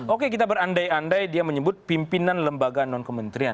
oke kita berandai andai dia menyebut pimpinan lembaga non kementerian